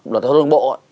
luật hình thông bộ